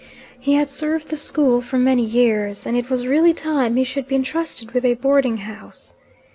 He had served the school for many years, and it was really time he should be entrusted with a boarding house.